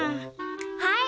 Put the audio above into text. はい！